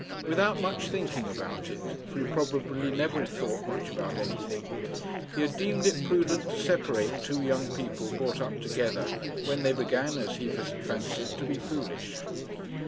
Without much thinking about it, for he probably never thought very much about anything, he had deemed it prudent to separate two young people brought up together, when they began, as he fancied, to be foolish.